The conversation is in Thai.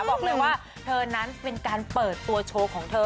บอกเลยว่าเธอนั้นเป็นการเปิดตัวโชว์ของเธอ